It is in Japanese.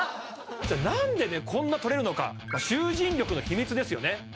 じゃあなんでねこんなとれるのか集塵力の秘密ですよね